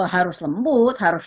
harus lembut harus